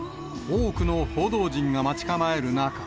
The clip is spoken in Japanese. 多くの報道陣が待ち構える中。